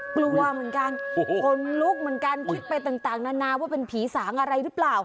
กลัวเหมือนกันขนลุกเหมือนกันคิดไปต่างนานาว่าเป็นผีสางอะไรหรือเปล่า